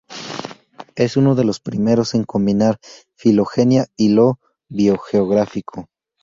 Es uno de los primeros en combinar filogenia y lo biogeográfico.